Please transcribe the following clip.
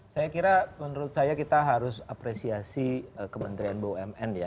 saya kira menurut saya kita harus apresiasi kementerian bumn ya